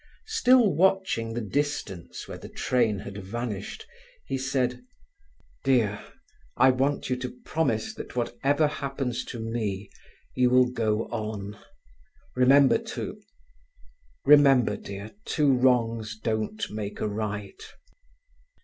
Still watching the distance where the train had vanished, he said: "Dear, I want you to promise that, whatever happens to me, you will go on. Remember, dear, two wrongs don't make a right."